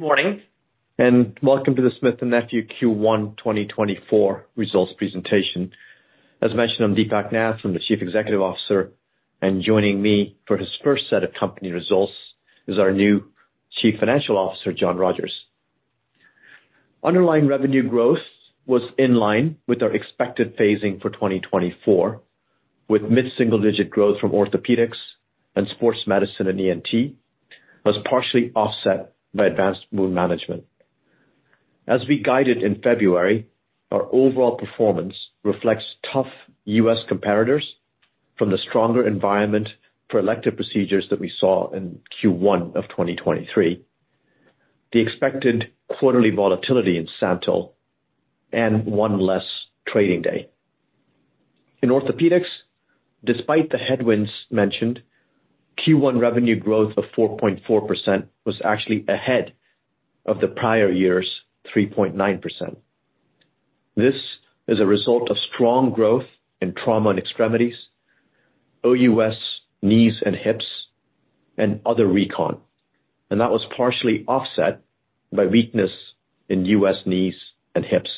Good morning, and welcome to the Smith+Nephew Q1 2024 results presentation. As mentioned, I'm Deepak Nath. I'm the Chief Executive Officer, and joining me for his first set of company results is our new Chief Financial Officer, John Rogers. Underlying revenue growth was in line with our expected phasing for 2024, with mid-single-digit growth from Orthopaedics and Sports Medicine and ENT, was partially offset by Advanced Wound Management. As we guided in February, our overall performance reflects tough U.S. competitors from the stronger environment for elective procedures that we saw in Q1 of 2023, the expected quarterly volatility in SANTYL, and one less trading day. In Orthopaedics, despite the headwinds mentioned, Q1 revenue growth of 4.4% was actually ahead of the prior year's 3.9%. This is a result of strong growth in trauma and extremities, O.U.S, knees and hips, and other recon, and that was partially offset by weakness in U.S. knees and hips.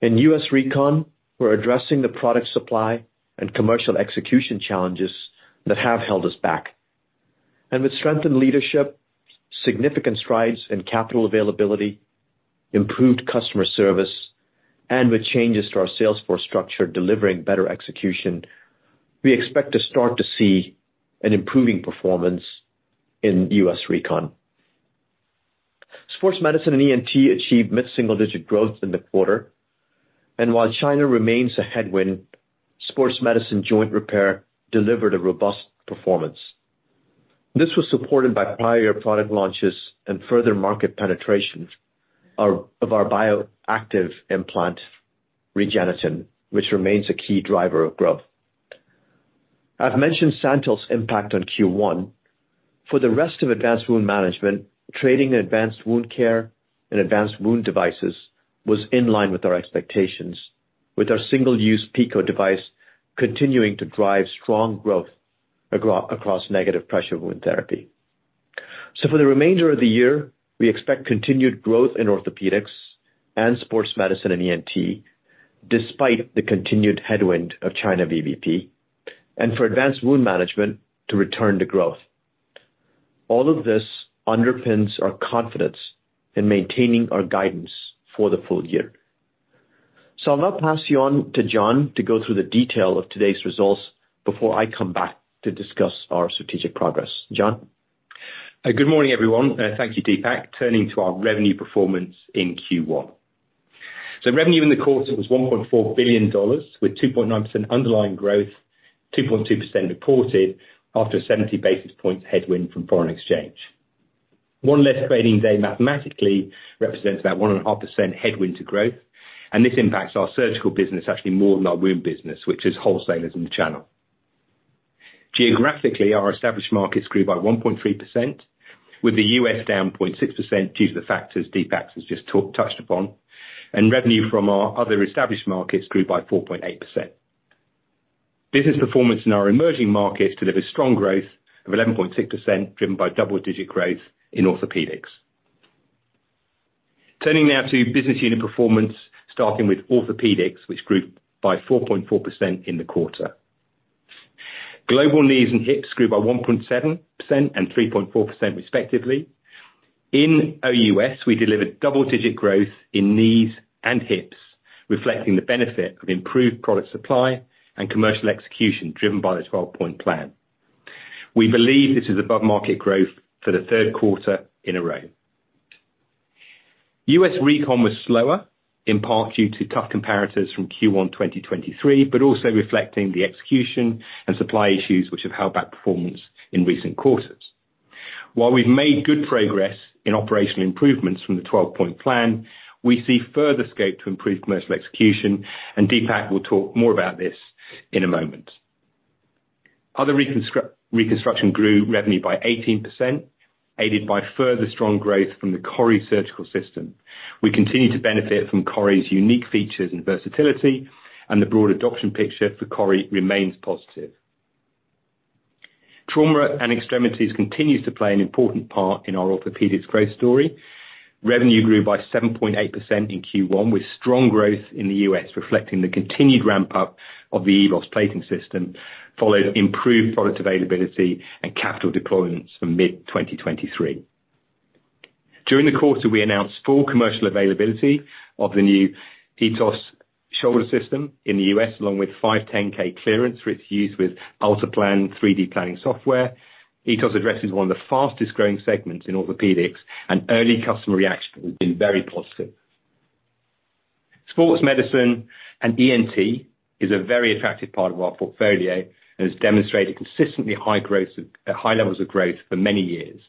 In U.S. Recon, we're addressing the product supply and commercial execution challenges that have held us back. And with strengthened leadership, significant strides in capital availability, improved customer service, and with changes to our salesforce structure, delivering better execution, we expect to start to see an improving performance in U.S. Recon. Sports Medicine and ENT achieved mid-single-digit growth in the quarter, and while China remains a headwind, sports medicine joint repair delivered a robust performance. This was supported by prior product launches and further market penetration of our bioactive implant, REGENETEN, which remains a key driver of growth. I've mentioned SANTYL's impact on Q1. For the rest of Advanced Wound Management, trading in Advanced Wound Care and Advanced Wound Devices was in line with our expectations, with our single-use PICO device continuing to drive strong growth across negative pressure wound therapy. So for the remainder of the year, we expect continued growth in Orthopaedics and Sports Medicine and ENT, despite the continued headwind of China VBP, and for Advanced Wound Management to return to growth. All of this underpins our confidence in maintaining our guidance for the full year. So I'll now pass you on to John to go through the detail of today's results before I come back to discuss our strategic progress. John? Good morning, everyone, and thank you, Deepak. Turning to our revenue performance in Q1. So revenue in the quarter was $1.4 billion, with 2.9% underlying growth, 2.2% reported after a 70 basis points headwind from foreign exchange. One less trading day mathematically represents about 1.5% headwind to growth, and this impacts our surgical business actually more than our wound business, which is wholesalers in the channel. Geographically, our established markets grew by 1.3%, with the U.S. down 0.6% due to the factors Deepak has just touched upon, and revenue from our other established markets grew by 4.8%. Business performance in our emerging markets delivered strong growth of 11.6%, driven by double-digit growth in Orthopaedics. Turning now to business unit performance, starting with Orthopaedics, which grew by 4.4% in the quarter. Global knees and hips grew by 1.7% and 3.4%, respectively. In O.U.S, we delivered double-digit growth in knees and hips, reflecting the benefit of improved product supply and commercial execution, driven by the 12-Point Plan. We believe this is above-market growth for the third quarter in a row. U.S. Recon was slower, in part due to tough comparators from Q1 2023, but also reflecting the execution and supply issues which have held back performance in recent quarters. While we've made good progress in operational improvements from the 12-Point Plan, we see further scope to improve commercial execution, and Deepak will talk more about this in a moment. Other reconstruction grew revenue by 18%, aided by further strong growth from the CORI surgical system. We continue to benefit from CORI's unique features and versatility, and the broad adoption picture for CORI remains positive. Trauma and extremities continues to play an important part in our Orthopaedics growth story. Revenue grew by 7.8% in Q1, with strong growth in the U.S., reflecting the continued ramp-up of the EVOS plating system, following improved product availability and capital deployments from mid-2023. During the quarter, we announced full commercial availability of the new AETOS shoulder system in the U.S., along with 510(k) clearance for its use with ATLASPLAN 3D planning software. AETOS addresses one of the fastest-growing segments in Orthopaedics, and early customer reaction has been very positive. Sports Medicine and ENT is a very attractive part of our portfolio and has demonstrated consistently high growth of high levels of growth for many years.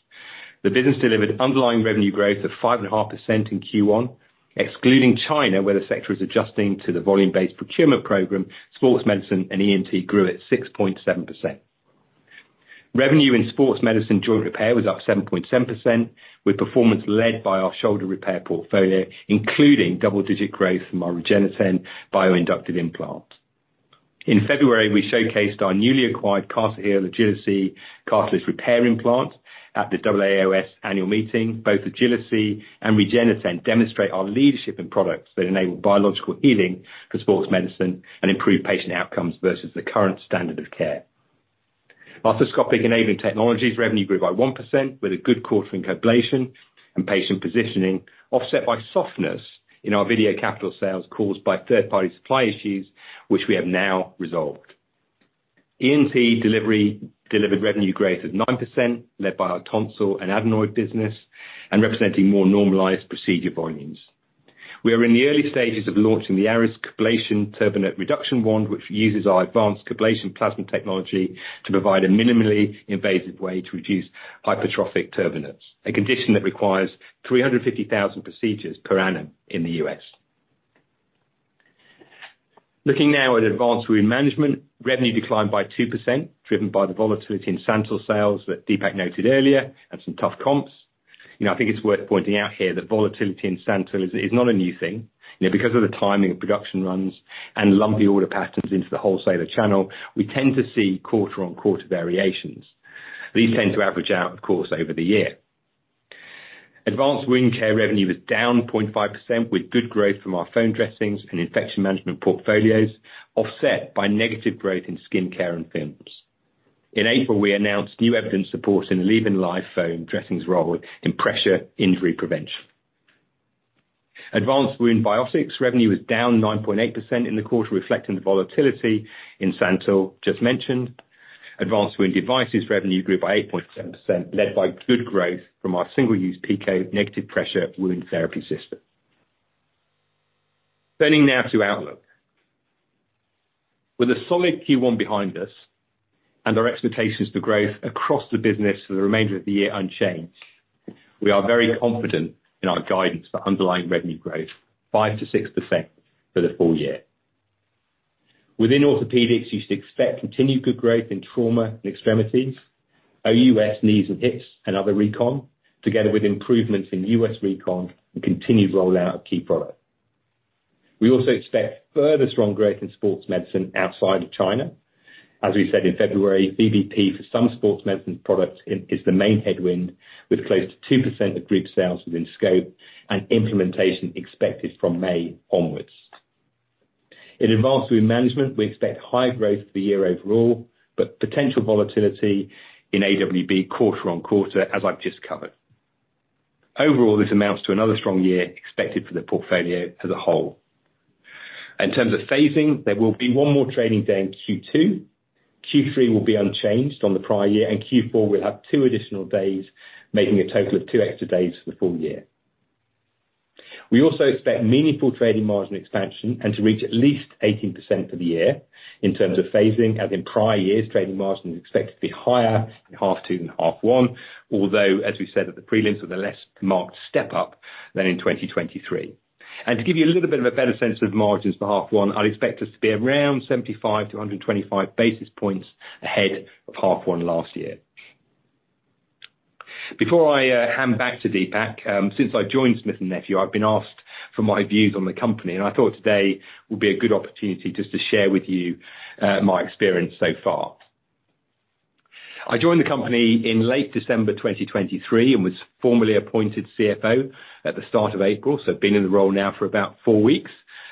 The business delivered underlying revenue growth of 5.5% in Q1, excluding China, where the sector is adjusting to the volume-based procurement program. Sports Medicine and ENT grew at 6.7%. Revenue in sports medicine joint repair was up 7.7%, with performance led by our shoulder repair portfolio, including double-digit growth from our REGENETEN bioinductive implant. In February, we showcased our newly acquired AGILI-C cartilage repair implant at the AAOS annual meeting. Both AGILI-C and REGENETEN demonstrate our leadership in products that enable biological healing for sports medicine and improve patient outcomes versus the current standard of care. Arthroscopic enabling technologies revenue grew by 1%, with a good quarter in Coblation and patient positioning, offset by softness in our video capital sales caused by third-party supply issues, which we have now resolved. ENT delivery delivered revenue greater than 9%, led by our tonsil and adenoid business, and representing more normalized procedure volumes. We are in the early stages of launching the ARIS Coblation Turbinate Reduction Wand, which uses our advanced Coblation plasma technology to provide a minimally invasive way to reduce hypertrophic turbinates, a condition that requires 350,000 procedures per annum in the U.S. Looking now at Advanced Wound Management, revenue declined by 2%, driven by the volatility in SANTYL sales that Deepak noted earlier, and some tough comps. You know, I think it's worth pointing out here that volatility in SANTYL is not a new thing. You know, because of the timing of production runs and lumpy order patterns into the wholesaler channel, we tend to see quarter-on-quarter variations. These tend to average out, of course, over the year. Advanced Wound Care revenue was down 0.5%, with good growth from our foam dressings and infection management portfolios, offset by negative growth in skincare and films. In April, we announced new evidence supporting the ALLEVYN LIFE Foam Dressings role in pressure injury prevention. Advanced Wound Bioactives revenue was down 9.8% in the quarter, reflecting the volatility in SANTYL, just mentioned. Advanced Wound Devices revenue grew by 8.7%, led by good growth from our single-use PICO negative pressure wound therapy system. Turning now to outlook. With a solid Q1 behind us, and our expectations for growth across the business for the remainder of the year unchanged, we are very confident in our guidance for underlying revenue growth, 5%-6% for the full year. Within Orthopaedics, you should expect continued good growth in Trauma and Extremities, O.U.S, knees and hips, and other Recon, together with improvements in U.S. Recon and continued rollout of key products. We also expect further strong growth in Sports Medicine outside of China. As we said in February, VBP for some sports medicine products is the main headwind, with close to 2% of group sales within scope and implementation expected from May onwards. In Advanced Wound Management, we expect high growth for the year overall, but potential volatility in AWB quarter-over-quarter, as I've just covered. Overall, this amounts to another strong year expected for the portfolio as a whole. In terms of phasing, there will be 1 more trading day in Q2. Q3 will be unchanged on the prior year, and Q4 will have 2 additional days, making a total of 2 extra days for the full year. We also expect meaningful trading margin expansion and to reach at least 18% for the year. In terms of phasing, as in prior years, trading margin is expected to be higher in half two than half one, although, as we said at the prelims, with a less marked step up than in 2023. To give you a little bit of a better sense of margins for half one, I'd expect us to be around 75-125 basis points ahead of half one last year. Before I hand back to Deepak, since I joined Smith+Nephew, I've been asked for my views on the company, and I thought today would be a good opportunity just to share with you my experience so far. I joined the company in late December 2023 and was formally appointed CFO at the start of April, so I've been in the role now for about four weeks.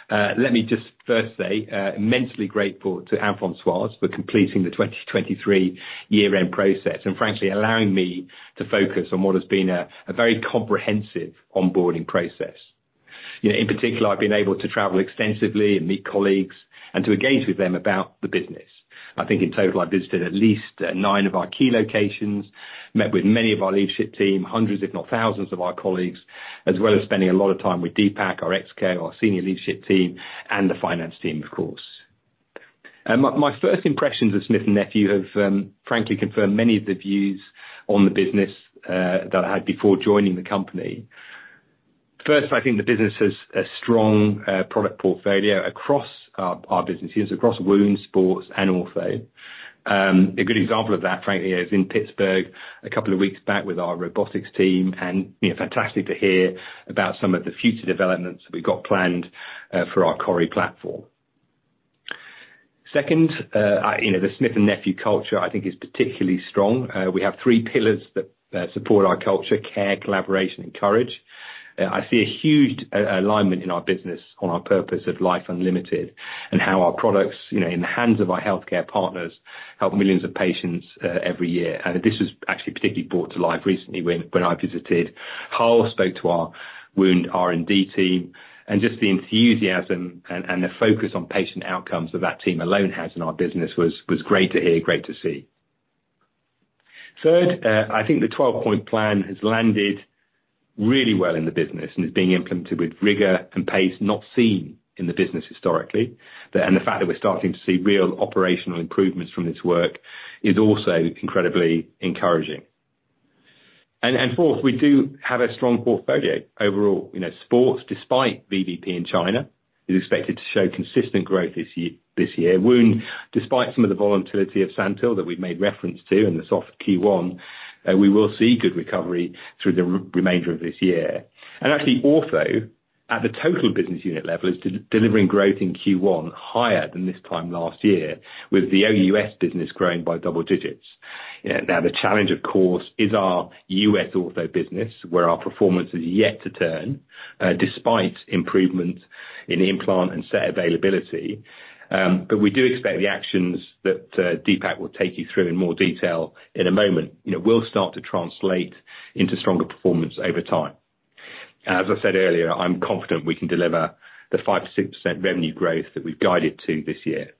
Let me just first say, immensely grateful to Anne-Françoise for completing the 2023 year-end process, and frankly, allowing me to focus on what has been a very comprehensive onboarding process. You know, in particular, I've been able to travel extensively and meet colleagues and to engage with them about the business. I think in total, I visited at least nine of our key locations, met with many of our leadership team, hundreds if not thousands of our colleagues, as well as spending a lot of time with Deepak, our CEO, our senior leadership team, and the finance team, of course. My first impressions of Smith+Nephew have frankly confirmed many of the views on the business that I had before joining the company. First, I think the business has a strong product portfolio across our business units, across wound, sports, and ortho. A good example of that, frankly, is in Pittsburgh, a couple of weeks back with our robotics team, and, you know, fantastic to hear about some of the future developments we've got planned for our CORI platform. Second, I... You know, the Smith+Nephew culture, I think, is particularly strong. We have three pillars that support our culture, care, collaboration, and courage. I see a huge alignment in our business on our purpose of life unlimited, and how our products, you know, in the hands of our healthcare partners, help millions of patients every year. And this was actually particularly brought to life recently when I visited Hull, spoke to our wound R&D team, and just the enthusiasm and the focus on patient outcomes that that team alone has in our business was great to hear, great to see. Third, I think the 12-Point Plan has landed really well in the business and is being implemented with rigor and pace not seen in the business historically. But and the fact that we're starting to see real operational improvements from this work is also incredibly encouraging. And, and fourth, we do have a strong portfolio overall. You know, sports, despite VBP in China, is expected to show consistent growth this year. Wound, despite some of the volatility of SANTYL that we've made reference to in the soft Q1, we will see good recovery through the remainder of this year. And actually, Orthopaedics at the total business unit level is delivering growth in Q1 higher than this time last year, with the O.U.S business growing by double digits. Now, the challenge, of course, is our U.S. Orthopaedics business, where our performance is yet to turn, despite improvements in implant and set availability. But we do expect the actions that Deepak will take you through in more detail in a moment, you know, will start to translate into stronger performance over time. As I said earlier, I'm confident we can deliver the 5%-6% revenue growth that we've guided to this year.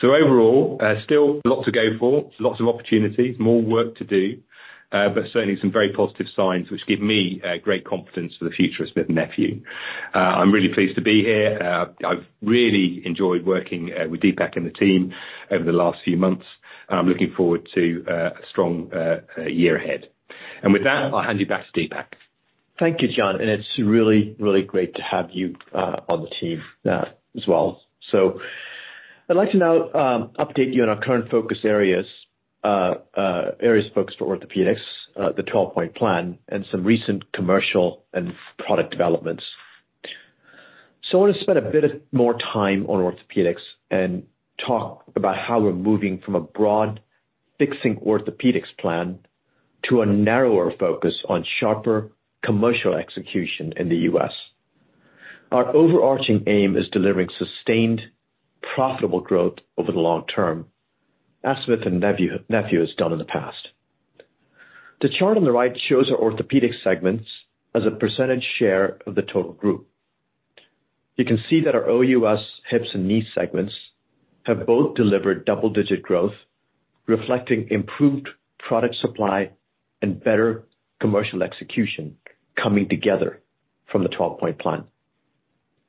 So overall, still a lot to go for, lots of opportunities, more work to do, but certainly some very positive signs which give me great confidence for the future of Smith+Nephew. I'm really pleased to be here. I've really enjoyed working with Deepak and the team over the last few months, and I'm looking forward to a strong year ahead. With that, I'll hand you back to Deepak. Thank you, John, and it's really, really great to have you on the team as well. I'd like to now update you on our current focus areas, areas of focus for Orthopaedics, the 12-Point Plan, and some recent commercial and product developments. I want to spend a bit of more time on Orthopaedics and talk about how we're moving from a broad fixing Orthopaedics plan to a narrower focus on sharper commercial execution in the U.S. Our overarching aim is delivering sustained, profitable growth over the long term, as Smith+Nephew has done in the past. The chart on the right shows our Orthopedic segments as a percentage share of the total group. You can see that our O.U.S Hips and Knees segments have both delivered double-digit growth, reflecting improved product supply and better commercial execution coming together from the 12-Point Plan.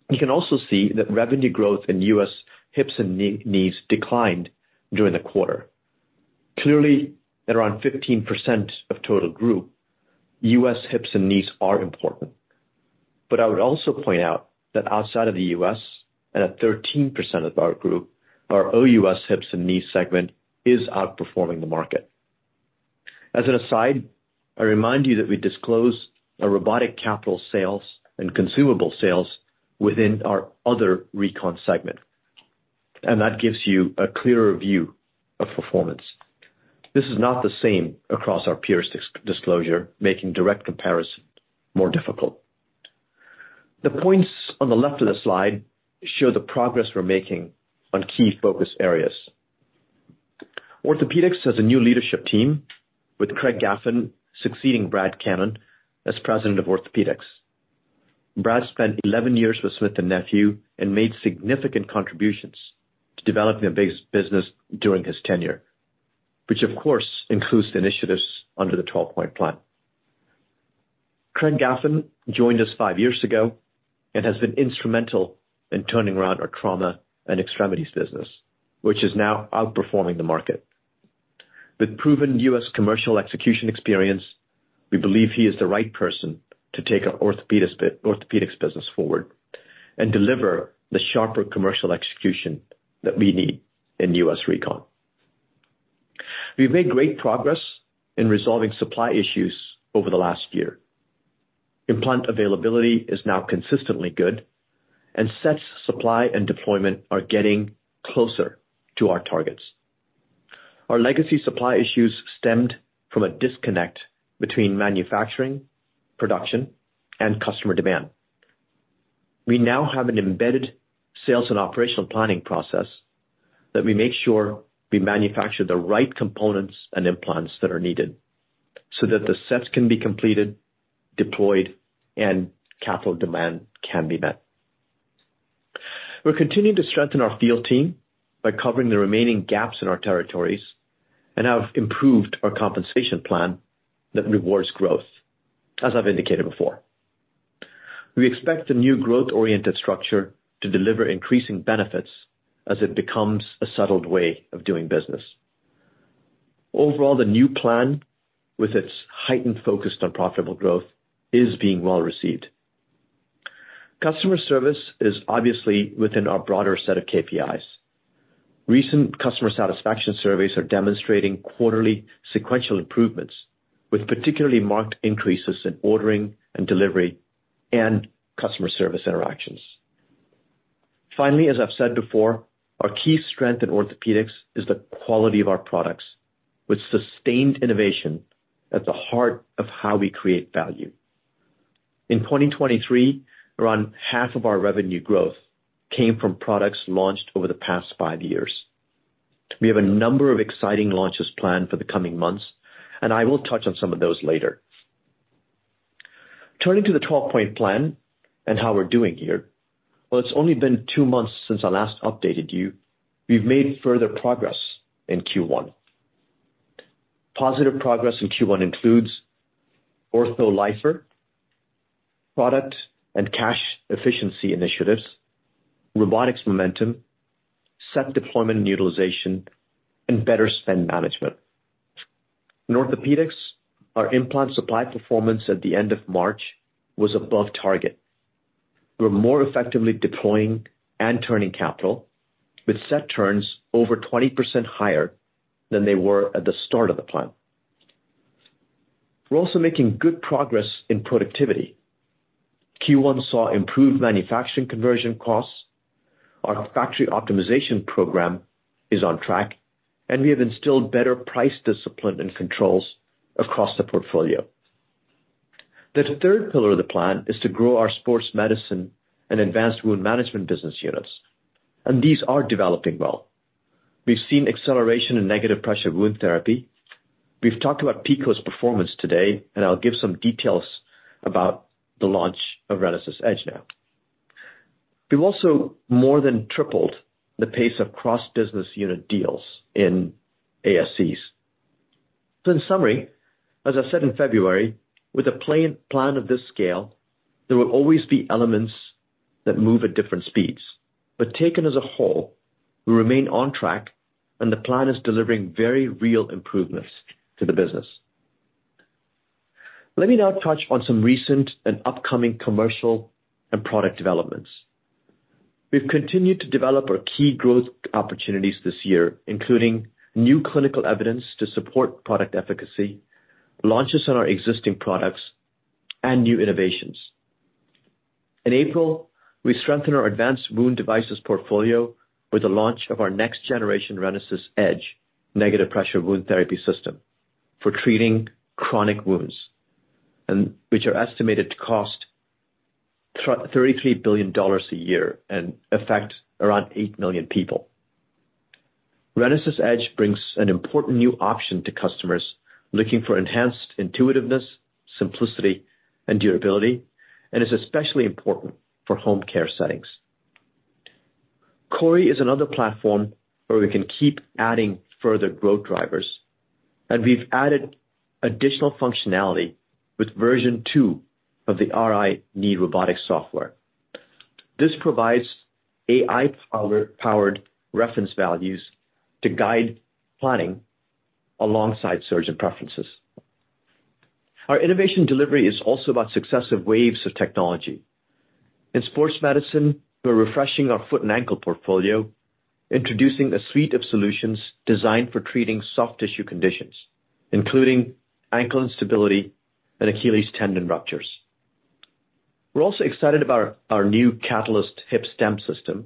You can also see that revenue growth in U.S. hips and knees declined during the quarter. Clearly, at around 15% of total group, U.S. hips and knees are important. But I would also point out that outside of the U.S., and at 13% of our group, our O.U.S Hips and Knees segment is outperforming the market. As an aside, I remind you that we disclose our robotic capital sales and consumable sales within our other Recon segment, and that gives you a clearer view of performance. This is not the same across our peers' disclosure, making direct comparison more difficult. The points on the left of the slide show the progress we're making on key focus areas. Orthopaedics has a new leadership team, with Craig Gaffin succeeding Brad Cannon as President of Orthopaedics. Brad spent 11 years with Smith+Nephew and made significant contributions to developing a big business during his tenure, which of course, includes the initiatives under the 12-Point Plan. Craig Gaffin joined us 5 years ago and has been instrumental in turning around our trauma and extremities business, which is now outperforming the market. With proven U.S. commercial execution experience, we believe he is the right person to take our orthopaedics business forward and deliver the sharper commercial execution that we need in U.S. Recon. We've made great progress in resolving supply issues over the last year. Implant availability is now consistently good, and sets, supply and deployment are getting closer to our targets. Our legacy supply issues stemmed from a disconnect between manufacturing, production, and customer demand. We now have an embedded sales and operational planning process that we make sure we manufacture the right components and implants that are needed, so that the sets can be completed, deployed, and capital demand can be met. We're continuing to strengthen our field team by covering the remaining gaps in our territories and have improved our compensation plan that rewards growth, as I've indicated before. We expect the new growth-oriented structure to deliver increasing benefits as it becomes a settled way of doing business. Overall, the new plan, with its heightened focus on profitable growth, is being well received. Customer service is obviously within our broader set of KPIs. Recent customer satisfaction surveys are demonstrating quarterly sequential improvements, with particularly marked increases in ordering and delivery and customer service interactions. Finally, as I've said before, our key strength in Orthopaedics is the quality of our products, with sustained innovation at the heart of how we create value. In 2023, around half of our revenue growth came from products launched over the past five years. We have a number of exciting launches planned for the coming months, and I will touch on some of those later. Turning to the 12-Point Plan and how we're doing here, well, it's only been two months since I last updated you. We've made further progress in Q1. Positive progress in Q1 includes Orthopaedics, product and cash efficiency initiatives, robotics momentum, set deployment and utilization, and better spend management. In Orthopaedics, our implant supply performance at the end of March was above target. We're more effectively deploying and turning capital, with asset turns over 20% higher than they were at the start of the plan. We're also making good progress in productivity. Q1 saw improved manufacturing conversion costs, our factory optimization program is on track, and we have instilled better price discipline and controls across the portfolio. The third pillar of the plan is to grow our sports medicine and advanced wound management business units, and these are developing well. We've seen acceleration in negative pressure wound therapy. We've talked about PICO's performance today, and I'll give some details about the launch of RENASYS EDGE now. We've also more than tripled the pace of cross-business unit deals in ASCs. So in summary, as I said in February, with a plain plan of this scale, there will always be elements that move at different speeds, but taken as a whole, we remain on track, and the plan is delivering very real improvements to the business. Let me now touch on some recent and upcoming commercial and product developments. We've continued to develop our key growth opportunities this year, including new clinical evidence to support product efficacy, launches on our existing products, and new innovations. In April, we strengthened our Advanced Wound Devices portfolio with the launch of our next generation RENASYS EDGE negative pressure wound therapy system for treating chronic wounds, and which are estimated to cost $33 billion a year and affect around 8 million people. RENASYS EDGE brings an important new option to customers looking for enhanced intuitiveness, simplicity, and durability, and is especially important for home care settings. CORI is another platform where we can keep adding further growth drivers, and we've added additional functionality with version 2 of the RI.KNEE Robotic Software. This provides AI-powered reference values to guide planning alongside surgeon preferences. Our innovation delivery is also about successive waves of technology. In sports medicine, we're refreshing our foot and ankle portfolio, introducing a suite of solutions designed for treating soft tissue conditions, including ankle instability and Achilles tendon ruptures. We're also excited about our new CATALYSTEM hip stem system,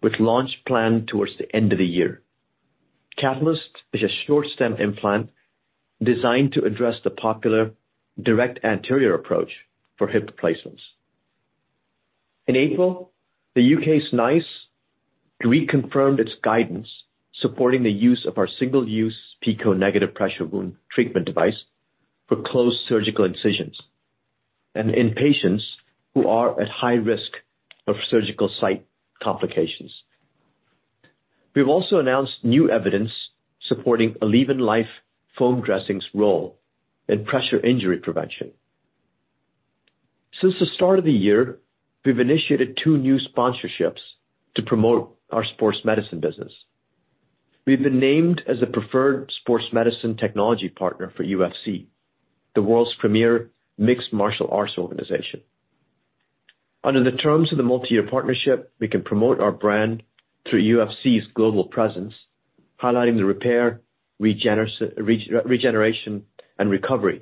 which launch planned towards the end of the year. CATALYSTEM is a short stem implant designed to address the popular direct anterior approach for hip replacements. In April, the UK's NICE reconfirmed its guidance, supporting the use of our single-use PICO negative pressure wound treatment device for closed surgical incisions, and in patients who are at high risk of surgical site complications. We've also announced new evidence supporting ALLEVYN LIFE foam dressings' role in pressure injury prevention. Since the start of the year, we've initiated two new sponsorships to promote our sports medicine business. We've been named as the preferred sports medicine technology partner for UFC, the world's premier mixed martial arts organization. Under the terms of the multi-year partnership, we can promote our brand through UFC's global presence, highlighting the repair, regeneration, and recovery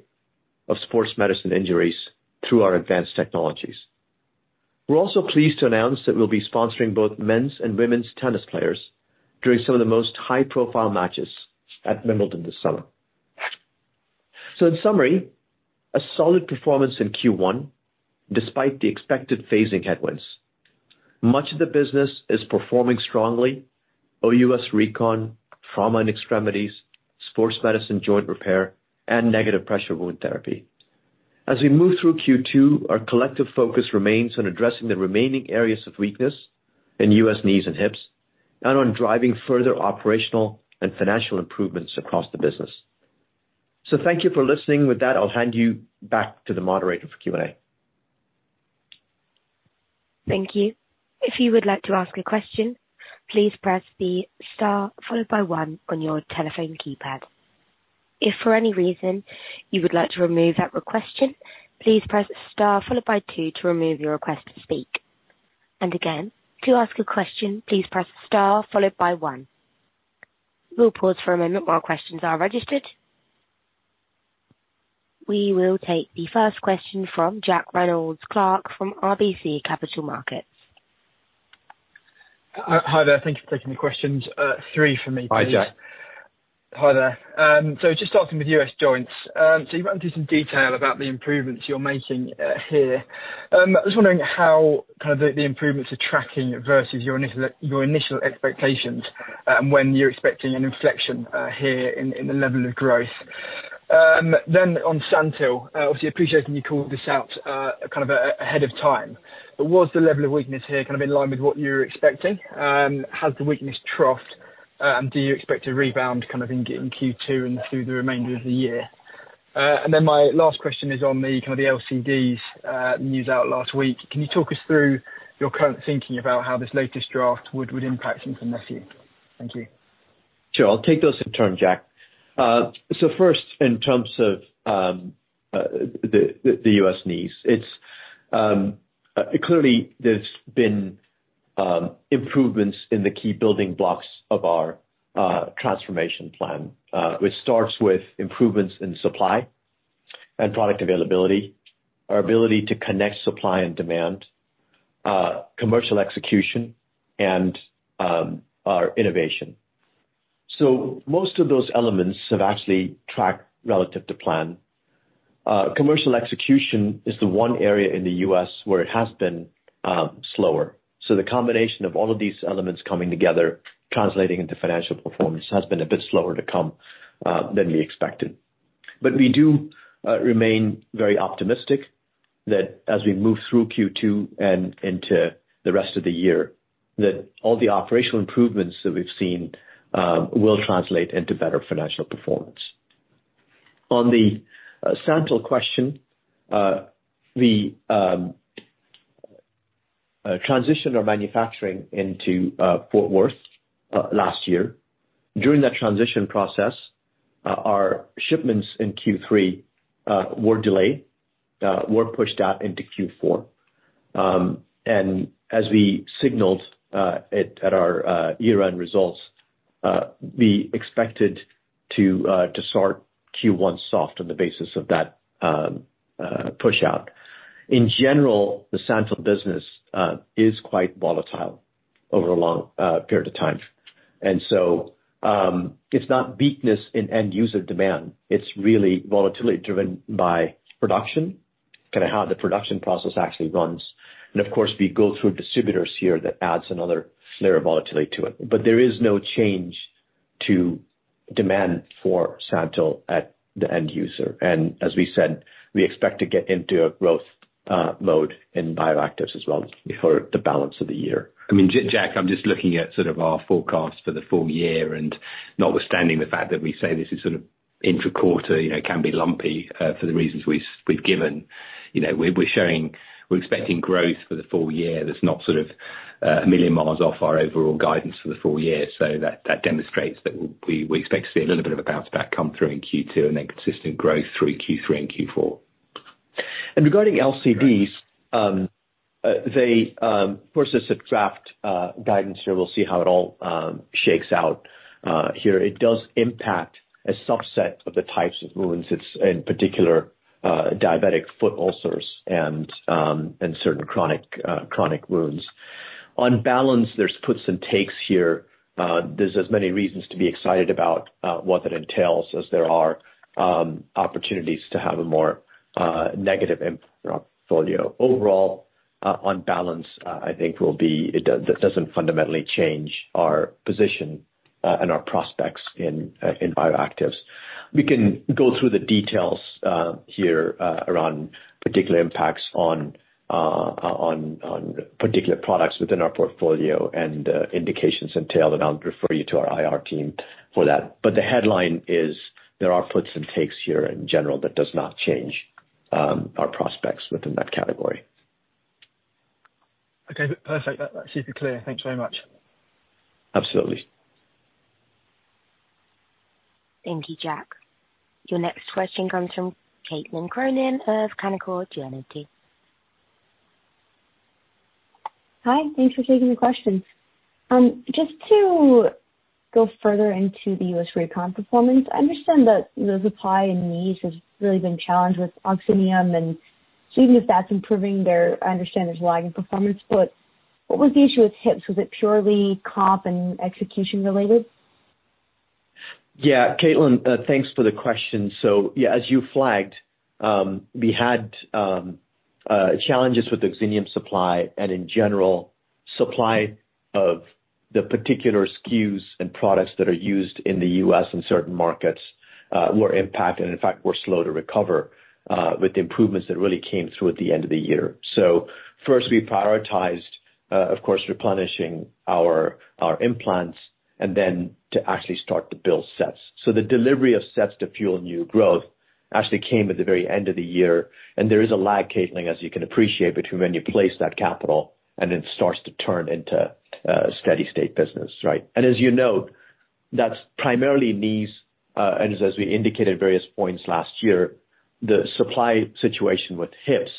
of sports medicine injuries through our advanced technologies. We're also pleased to announce that we'll be sponsoring both men's and women's tennis players during some of the most high-profile matches at Wimbledon this summer. So in summary, a solid performance in Q1, despite the expected phasing headwinds. Much of the business is performing strongly, O.U.S Recon, Trauma and Extremities, Sports Medicine Joint Repair, and Negative Pressure Wound Therapy. As we move through Q2, our collective focus remains on addressing the remaining areas of weakness in U.S. knees and hips and on driving further operational and financial improvements across the business. So thank you for listening. With that, I'll hand you back to the moderator for Q&A. Thank you. If you would like to ask a question, please press the star followed by one on your telephone keypad. If for any reason you would like to remove that request, please press star followed by two to remove your request to speak. And again, to ask a question, please press star followed by one. We'll pause for a moment while questions are registered. We will take the first question from Jack Reynolds-Clark from RBC Capital Markets. Hi there. Thank you for taking the questions. Three for me, please. Hi, Jack. Hi there. So just starting with U.S. joints. So you went into some detail about the improvements you're making, here. I was wondering how kind of the improvements are tracking versus your initial, your initial expectations, when you're expecting an inflection, here in the level of growth. Then on SANTYL, obviously, I appreciate when you called this out, kind of ahead of time, but was the level of weakness here kind of in line with what you were expecting? Has the weakness troughed, do you expect a rebound kind of in Q2 and through the remainder of the year? And then my last question is on the kind of the LCDs news out last week. Can you talk us through your current thinking about how this latest draft would impact income this year? Thank you. Sure. I'll take those in turn, Jack. So first, in terms of the U.S. knees, it's clearly there's been improvements in the key building blocks of our transformation plan, which starts with improvements in supply and product availability, our ability to connect supply and demand, commercial execution, and our innovation. So most of those elements have actually tracked relative to plan. Commercial execution is the one area in the U.S. where it has been slower. So the combination of all of these elements coming together, translating into financial performance, has been a bit slower to come than we expected. But we do remain very optimistic that as we move through Q2 and into the rest of the year, that all the operational improvements that we've seen will translate into better financial performance. On the SANTYL question, we transitioned our manufacturing into Fort Worth last year. During that transition process, our shipments in Q3 were delayed, were pushed out into Q4. As we signaled at our year-end results, we expected to start Q1 soft on the basis of that pushout. In general, the SANTYL business is quite volatile over a long period of time. So, it's not weakness in end user demand, it's really volatility driven by production, kinda how the production process actually runs. Of course, we go through distributors here that adds another layer of volatility to it. But there is no change to demand for SANTYL at the end user. As we said, we expect to get into a growth mode in bioactives as well for the balance of the year. I mean, Jack, I'm just looking at sort of our forecast for the full year, and notwithstanding the fact that we say this is sort of intra-quarter, you know, can be lumpy, for the reasons we've given. You know, we're showing. We're expecting growth for the full year. That's not sort of a million miles off our overall guidance for the full year. So that demonstrates that we expect to see a little bit of a bounce back come through in Q2 and then consistent growth through Q3 and Q4. Regarding LCDs, of course, it's a draft guidance year. We'll see how it all shakes out. Here it does impact a subset of the types of wounds. It's in particular diabetic foot ulcers and certain chronic wounds. On balance, there's puts and takes here. There's as many reasons to be excited about what that entails as there are opportunities to have a more negative impact portfolio. Overall, on balance, I think will be... that doesn't fundamentally change our position and our prospects in bioactives. We can go through the details here around particular impacts on particular products within our portfolio and indications entailed, and I'll refer you to our IR team for that. But the headline is there are puts and takes here. In general, that does not change our prospects within that category. Okay, perfect. That, that's super clear. Thanks very much. Absolutely. Thank you, Jack. Your next question comes from Caitlin Cronin of Canaccord Genuity. Hi, thanks for taking the questions. Just to go further into the U.S. recon performance, I understand that the supply and knees has really been challenged with OXINIUM, and so even if that's improving, there I understand there's lagging performance, but what was the issue with hips? Was it purely comp and execution related? Yeah, Caitlin, thanks for the question. So, yeah, as you flagged, we had challenges with the OXINIUM supply and in general, supply of the particular SKUs and products that are used in the U.S. and certain markets were impacted, and in fact, were slow to recover with the improvements that really came through at the end of the year. So first, we prioritized, of course, replenishing our, our implants, and then to actually start to build sets. So the delivery of sets to fuel new growth actually came at the very end of the year, and there is a lag, Caitlin, as you can appreciate, between when you place that capital and it starts to turn into steady state business, right? As you note, that's primarily knees, and as we indicated at various points last year, the supply situation with hips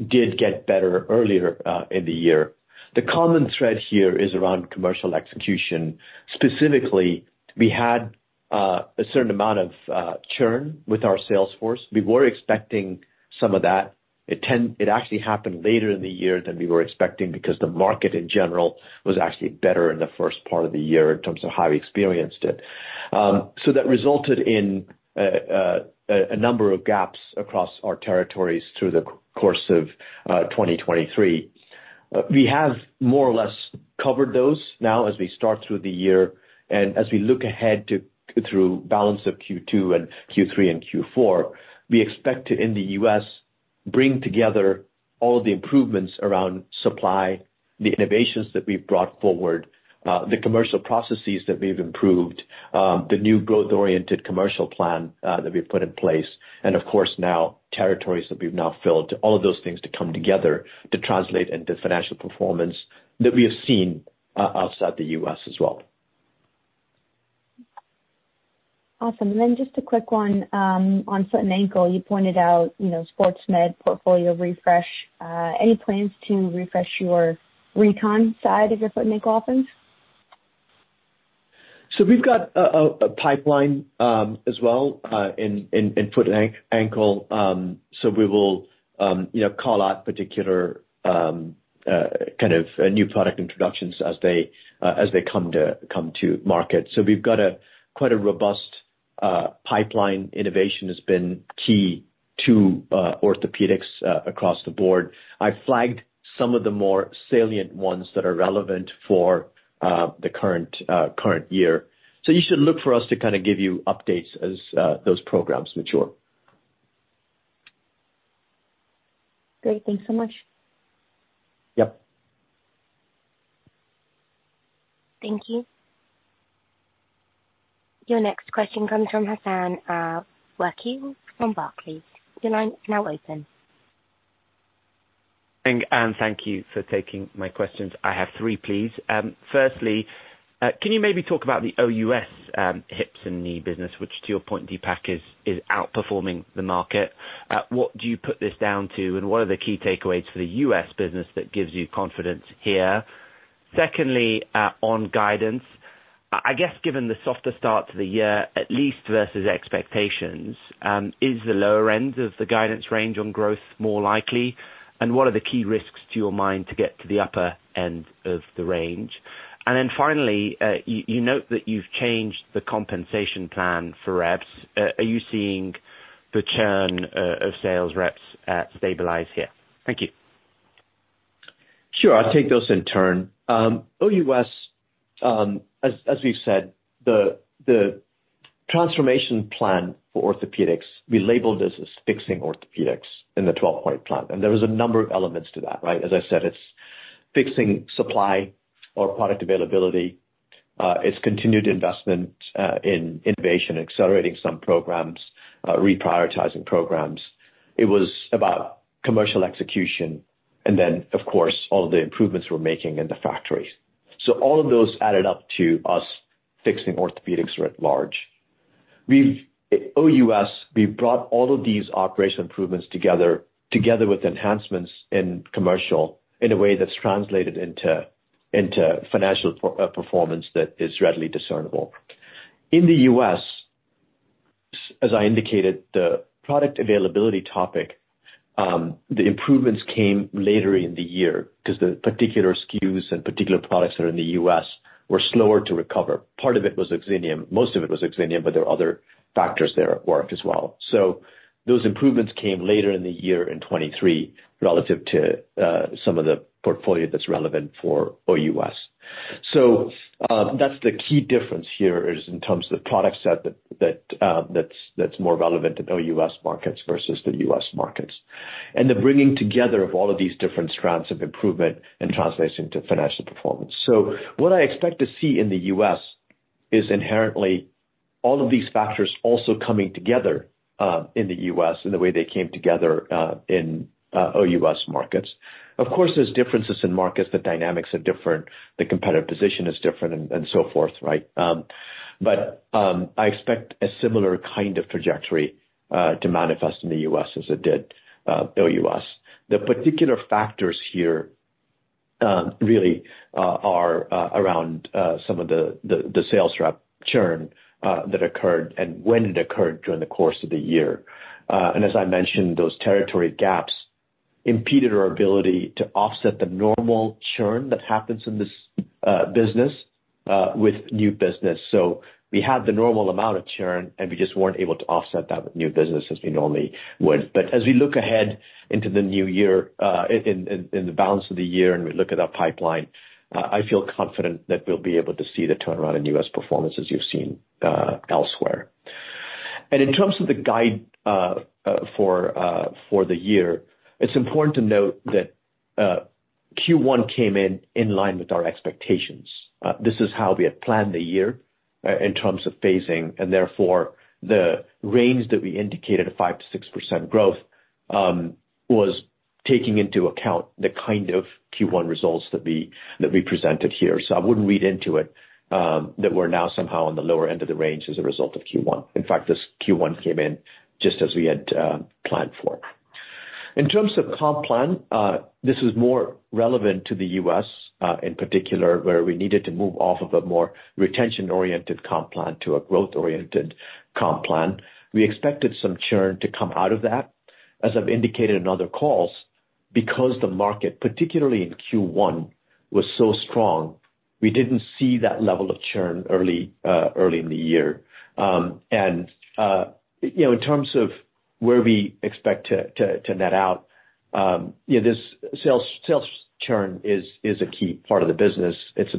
did get better earlier in the year. The common thread here is around commercial execution. Specifically, we had a certain amount of churn with our sales force. We were expecting some of that. It actually happened later in the year than we were expecting because the market in general was actually better in the first part of the year in terms of how we experienced it. So that resulted in a number of gaps across our territories through the course of 2023. We have more or less covered those now as we start through the year. As we look ahead to through balance of Q2 and Q3 and Q4, we expect to, in the U.S., bring together all the improvements around supply, the innovations that we've brought forward, the commercial processes that we've improved, the new growth-oriented commercial plan, that we've put in place, and of course, now territories that we've now filled, all of those things to come together to translate into financial performance that we have seen outside the U.S. as well. ... Awesome. And then just a quick one on foot and ankle. You pointed out, you know, sports med portfolio refresh, any plans to refresh your recon side of your foot and ankle offering? So we've got a pipeline as well in foot and ankle. So we will, you know, call out particular kind of new product introductions as they come to market. So we've got quite a robust pipeline. Innovation has been key to Orthopaedics across the board. I flagged some of the more salient ones that are relevant for the current year. So you should look for us to kind of give you updates as those programs mature. Great. Thanks so much. Yep. Thank you. Your next question comes from Hassan Al-Wakeel from Barclays. Your line is now open. Thank you for taking my questions. I have three, please. Firstly, can you maybe talk about the O.U.S hips and knee business, which to your point, Deepak, is outperforming the market? What do you put this down to, and what are the key takeaways for the U.S. business that gives you confidence here? Secondly, on guidance, I guess given the softer start to the year, at least versus expectations, is the lower end of the guidance range on growth more likely, and what are the key risks to your mind to get to the upper end of the range? Then finally, you note that you've changed the compensation plan for reps. Are you seeing the churn of sales reps stabilize here? Thank you. Sure. I'll take those in turn. O.U.S, as we've said, the transformation plan for Orthopaedics, we labeled this as fixing Orthopaedics in the 12-Point Plan, and there was a number of elements to that, right? As I said, it's fixing supply or product availability. It's continued investment in innovation, accelerating some programs, reprioritizing programs. It was about commercial execution and then, of course, all the improvements we're making in the factories. So all of those added up to us fixing Orthopaedics writ large. O.U.S, we've brought all of these operational improvements together with enhancements in commercial, in a way that's translated into financial performance that is readily discernible. In the U.S., as I indicated, the product availability topic, the improvements came later in the year, 'cause the particular SKUs and particular products that are in the U.S. were slower to recover. Part of it was OXINIUM, most of it was OXINIUM, but there were other factors there at work as well. So those improvements came later in the year in 2023 relative to, some of the portfolio that's relevant for O.U.S. So, that's the key difference here, is in terms of the product set that that's more relevant to O.U.S markets versus the U.S. markets. And the bringing together of all of these different strands of improvement and translates into financial performance. So what I expect to see in the U.S. is inherently all of these factors also coming together in the U.S. in the way they came together in O.U.S markets. Of course, there's differences in markets. The dynamics are different, the competitive position is different, and, and so forth, right? But I expect a similar kind of trajectory to manifest in the U.S. as it did O.U.S. The particular factors here really are around some of the sales rep churn that occurred and when it occurred during the course of the year. And as I mentioned, those territory gaps impeded our ability to offset the normal churn that happens in this business with new business. So we had the normal amount of churn, and we just weren't able to offset that with new business as we normally would. But as we look ahead into the new year, in the balance of the year, and we look at our pipeline, I feel confident that we'll be able to see the turnaround in U.S. performance as you've seen elsewhere. And in terms of the guide, for the year, it's important to note that Q1 came in in line with our expectations. This is how we had planned the year, in terms of phasing, and therefore, the range that we indicated, a 5%-6% growth, was taking into account the kind of Q1 results that we presented here. So I wouldn't read into it that we're now somehow on the lower end of the range as a result of Q1. In fact, this Q1 came in just as we had planned for. In terms of comp plan, this is more relevant to the U.S., in particular, where we needed to move off of a more retention-oriented comp plan to a growth-oriented comp plan. We expected some churn to come out of that. As I've indicated in other calls, because the market, particularly in Q1, was so strong, we didn't see that level of churn early in the year. And you know, in terms of where we expect to net out, yeah, this sales churn is a key part of the business. It's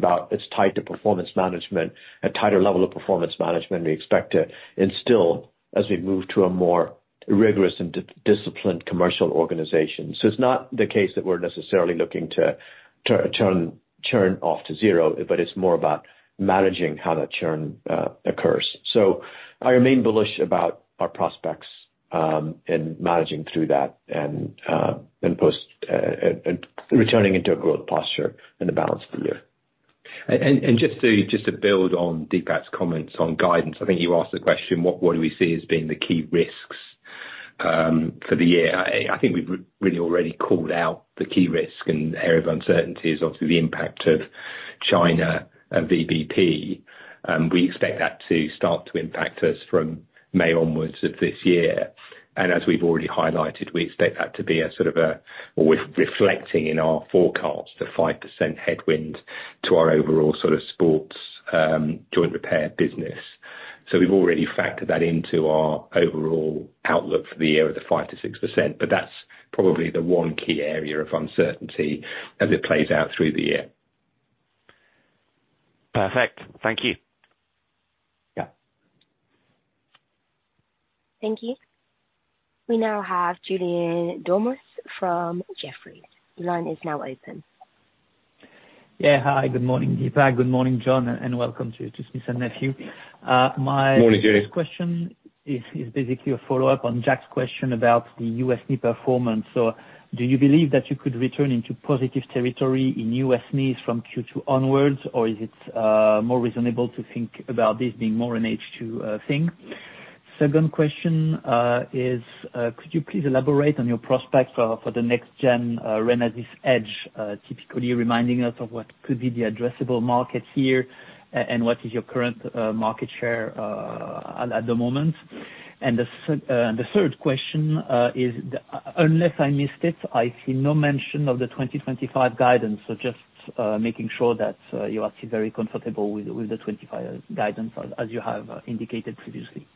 tied to performance management, a tighter level of performance management we expect to instill as we move to a more rigorous and disciplined commercial organization. So it's not the case that we're necessarily looking to turn churn off to zero, but it's more about managing how that churn occurs. So I remain bullish about our prospects, and managing through that and post, and returning into a growth posture in the balance of the year. Just to build on Deepak's comments on guidance, I think you asked the question, what do we see as being the key risks for the year? I think we've really already called out the key risk and area of uncertainty is obviously the impact of China and VBP, and we expect that to start to impact us from May onwards of this year. And as we've already highlighted, we expect that to be sort of a we're reflecting in our forecast, a 5% headwind to our overall sort of sports joint repair business. So we've already factored that into our overall outlook for the year of 5%-6%, but that's probably the one key area of uncertainty as it plays out through the year. Perfect. Thank you. Yeah. Thank you. We now have Julien Dormois from Jefferies. Line is now open. Yeah, hi, good morning, Deepak. Good morning, John, and welcome to Smith+Nephew. My- Morning, Julien. First question is basically a follow-up on Jack's question about the U.S. knee performance. So do you believe that you could return into positive territory in U.S. knees from Q2 onwards, or is it more reasonable to think about this being more an H2 thing? Second question is could you please elaborate on your prospects for the next gen RENASYS EDGE, typically reminding us of what could be the addressable market here, and what is your current market share at the moment? And the third question is... Unless I missed it, I see no mention of the 2025 guidance. So just making sure that you are actually very comfortable with the 25 guidance as you have indicated previously.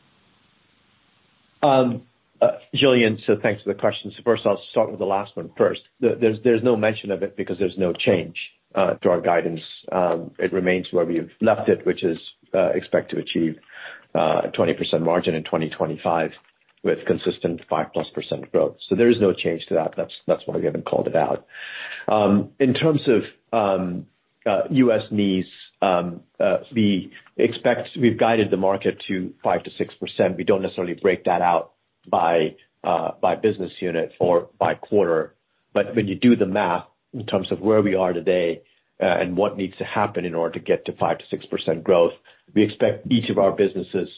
Julien, so thanks for the questions. First, I'll start with the last one first. There's no mention of it because there's no change to our guidance. It remains where we've left it, which is, expect to achieve a 20% margin in 2025 with consistent 5%+ growth. So there is no change to that. That's why we haven't called it out. In terms of U.S. knees, we expect... We've guided the market to 5%-6%. We don't necessarily break that out by business unit or by quarter. But when you do the math in terms of where we are today and what needs to happen in order to get to 5%-6% growth, we expect each of our businesses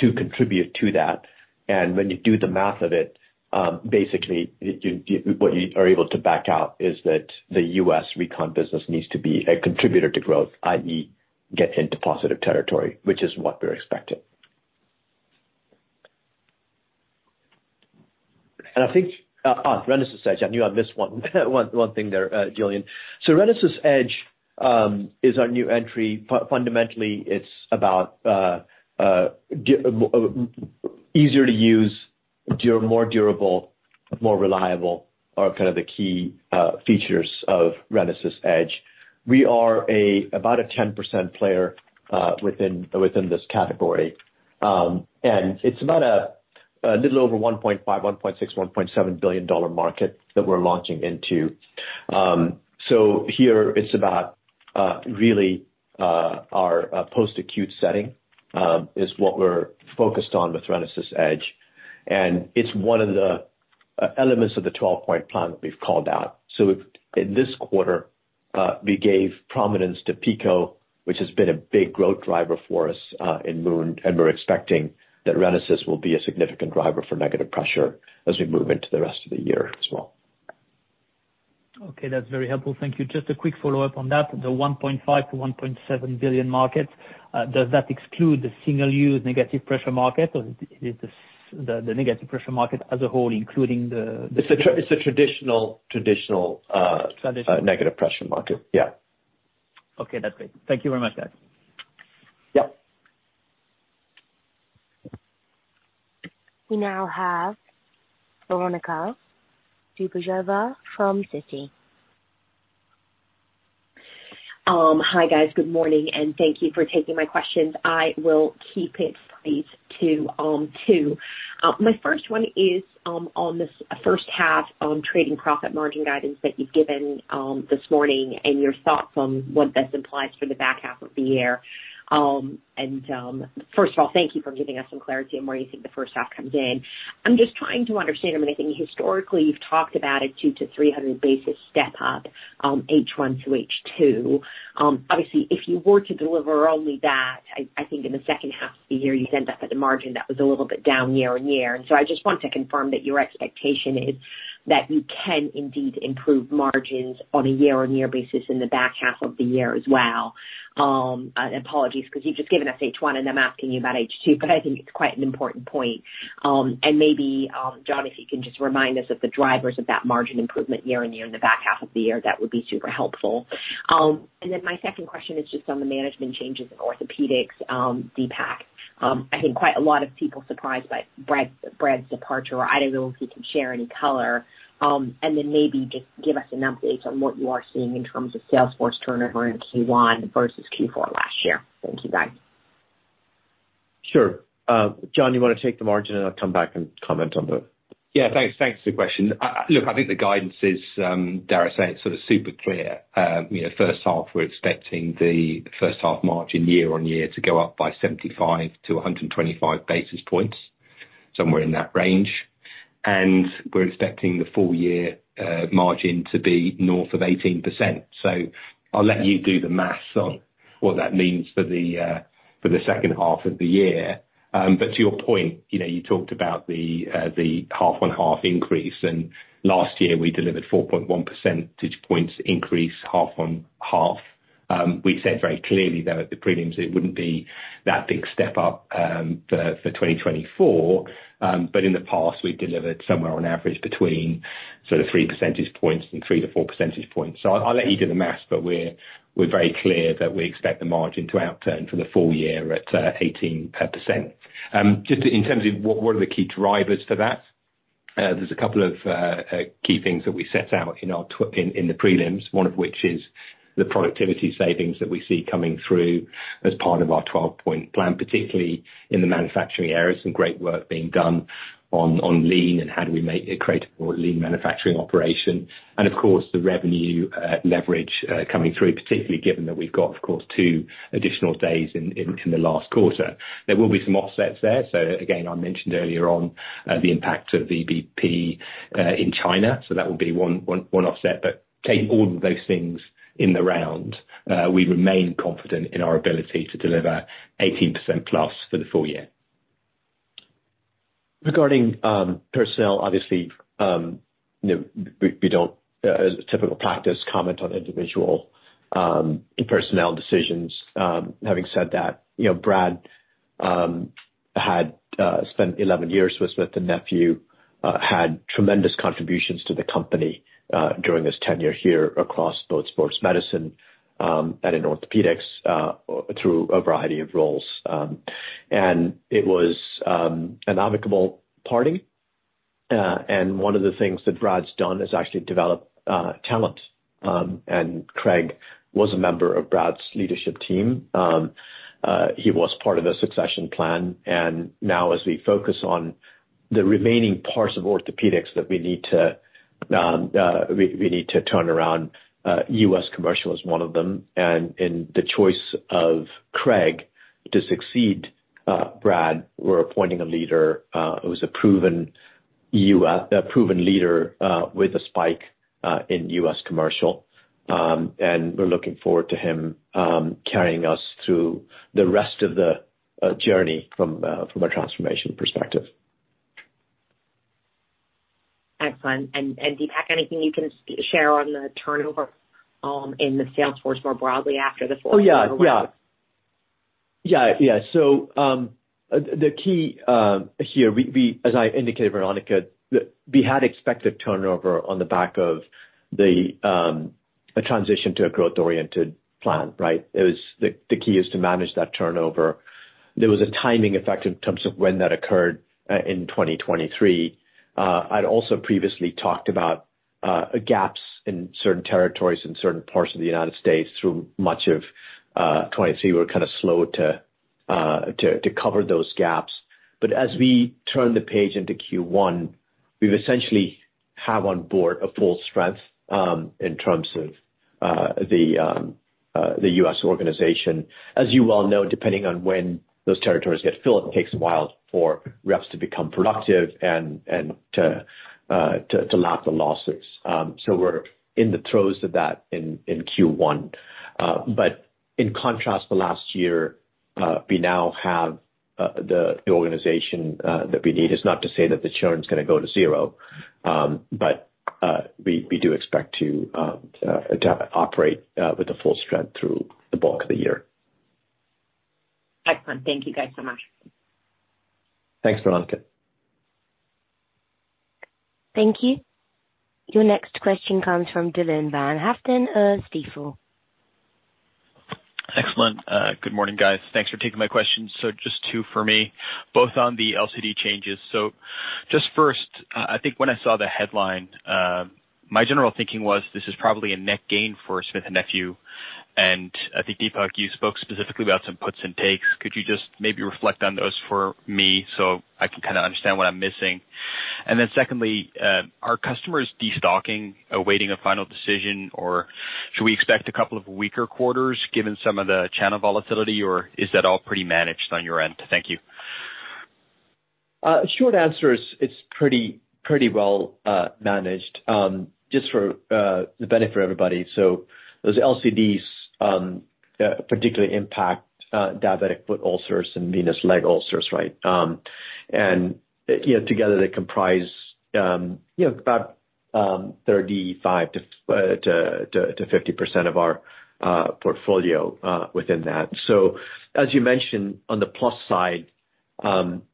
to contribute to that. When you do the math of it, basically, what you are able to back out is that the U.S. Recon business needs to be a contributor to growth, i.e., get into positive territory, which is what we're expecting. And I think, RENASYS EDGE. I knew I missed one thing there, Julien. So RENASYS EDGE is our new entry. Fundamentally, it's about easier to use, more durable, more reliable, are kind of the key features of RENASYS EDGE. We are about a 10% player within this category. And it's about a little over $1.5-$1.7 billion market that we're launching into. So here it's about, really, our post-acute setting, is what we're focused on with RENASYS Edge, and it's one of the elements of the 12-Point Plan that we've called out. So in this quarter, we gave prominence to PICO, which has been a big growth driver for us, in AWM, and we're expecting that RENASYS will be a significant driver for negative pressure as we move into the rest of the year as well. Okay, that's very helpful. Thank you. Just a quick follow-up on that. The $1.5 billion-$1.7 billion market, does that exclude the single-use negative pressure market, or is it the negative pressure market as a whole, including the- It's a traditional. Traditional... negative pressure market. Yeah. Okay, that's it. Thank you very much, guys. Yep. We now have Veronika Dubajova from Citi. Hi, guys. Good morning, and thank you for taking my questions. I will keep it brief to two. My first one is on the first half on trading profit margin guidance that you've given this morning, and your thoughts on what this implies for the back half of the year. First of all, thank you for giving us some clarity on where you think the first half comes in. I'm just trying to understand. I mean, I think historically, you've talked about a 200-300 basis points step up, H1 to H2. Obviously, if you were to deliver only that, I think in the second half of the year, you'd end up at the margin that was a little bit down year-over-year. I just want to confirm that your expectation is that you can indeed improve margins on a year-on-year basis in the back half of the year as well. Apologies, because you've just given us H1, and I'm asking you about H2, but I think it's quite an important point. Maybe, John, if you can just remind us of the drivers of that margin improvement year on year in the back half of the year, that would be super helpful. Then my second question is just on the management changes in Orthopaedics, Deepak. I think quite a lot of people surprised by Brad, Brad's departure. I don't know if you can share any color, and then maybe just give us an update on what you are seeing in terms of sales force turnover in Q1 versus Q4 last year. Thank you, guys. Sure. John, you want to take the margin, and I'll come back and comment on the- ... Yeah, thanks. Thanks for the question. Look, I think the guidance is, dare I say, it's sort of super clear. You know, first half, we're expecting the first half margin year-on-year to go up by 75-125 basis points, somewhere in that range. And we're expecting the full year margin to be north of 18%. So I'll let you do the math on what that means for the second half of the year. But to your point, you know, you talked about the half-on-half increase, and last year, we delivered 4.1 percentage points increase, half on half. We said very clearly, though, at the prelims, it wouldn't be that big step up for 2024. But in the past, we've delivered somewhere on average between sort of 3 percentage points and 3-4 percentage points. So I'll let you do the math, but we're very clear that we expect the margin to outturn for the full year at 18%. Just in terms of what are the key drivers for that? There's a couple of key things that we set out in our in the prelims, one of which is the productivity savings that we see coming through as part of our 12-Point Plan, particularly in the manufacturing area. Some great work being done on lean and how do we make and create a more lean manufacturing operation. Of course, the revenue leverage coming through, particularly given that we've got, of course, two additional days in the last quarter. There will be some offsets there, so again, I mentioned earlier on, the impact of the VBP in China, so that will be one offset. Taking all of those things in the round, we remain confident in our ability to deliver 18%+ for the full year. Regarding personnel, obviously, you know, we don't typical practice comment on individual personnel decisions. Having said that, you know, Brad had spent 11 years with Smith+Nephew, had tremendous contributions to the company during his tenure here across both sports medicine and in Orthopaedics through a variety of roles. It was an amicable parting, and one of the things that Brad's done is actually develop talent. Craig was a member of Brad's leadership team. He was part of the succession plan, and now as we focus on the remaining parts of Orthopaedics that we need to, we need to turn around, U.S. commercial is one of them. In the choice of Craig to succeed Brad, we're appointing a leader who's a proven leader with a spike in U.S. commercial. We're looking forward to him carrying us through the rest of the journey from a transformation perspective. Excellent. And, Deepak, anything you can share on the turnover in the sales force more broadly after the fourth? Oh, yeah. Yeah. Yeah, yeah. So, the key here, we, as I indicated, Veronika, that we had expected turnover on the back of a transition to a growth-oriented plan, right? It was the key is to manage that turnover. There was a timing effect in terms of when that occurred in 2023. I'd also previously talked about gaps in certain territories and certain parts of the United States through much of 2023. We're kind of slow to cover those gaps. But as we turn the page into Q1, we've essentially have on board a full strength in terms of the U.S. organization. As you well know, depending on when those territories get filled, it takes a while for reps to become productive and to lap the losses. So we're in the throes of that in Q1. But in contrast to last year, we now have the organization that we need. It's not to say that the churn is gonna go to zero, but we do expect to operate with the full strength through the bulk of the year. Excellent. Thank you guys so much. Thanks, Veronika. Thank you. Your next question comes from Dylan Van Houten, Stifel. Excellent. Good morning, guys. Thanks for taking my question. So just two for me, both on the LCD changes. So just first, I think when I saw the headline, my general thinking was, this is probably a net Smith+Nephew, and I think, Deepak, you spoke specifically about some puts and takes. Could you just maybe reflect on those for me so I can kinda understand what I'm missing? And then secondly, are customers destocking, awaiting a final decision, or should we expect a couple of weaker quarters given some of the channel volatility, or is that all pretty managed on your end? Thank you. Short answer is it's pretty, pretty well managed. Just for the benefit of everybody, so those LCDs particularly impact diabetic foot ulcers and venous leg ulcers, right? And you know, together, they comprise you know, about 35%-50% of our portfolio within that. So, as you mentioned, on the plus side, you